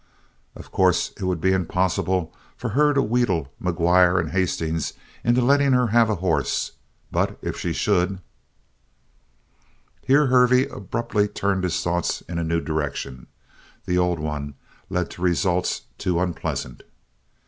Of course it would be impossible for her to wheedle McGuire and Hastings into letting her have a horse, but if she should Here Hervey abruptly turned his thoughts in a new direction. The old one led to results too unpleasant.